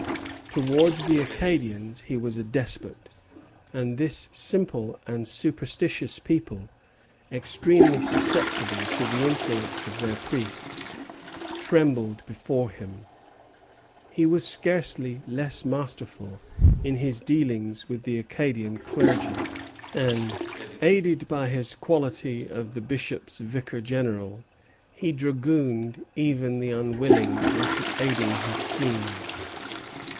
Towards the Acadians he was a despot; and this simple and superstitious people, extremely susceptible to the influence of their priests, trembled before him. He was scarcely less masterful in his dealings with the Acadian clergy; and, aided by his quality of the Bishop's vicar general, he dragooned even the unwilling into aiding his schemes.